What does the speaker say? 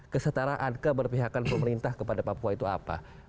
kesetaraan keberpihakan pemerintah kepada papua itu apa